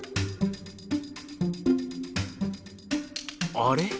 あれ？